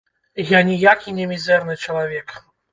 Я ніякі не мізэрны чалавек!